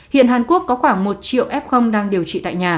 hiện hàn quốc có khoảng một triệu f